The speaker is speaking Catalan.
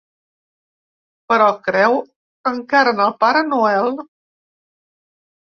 Però creu encara en el Pare Noel.